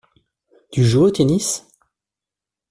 Tu joues au tennis?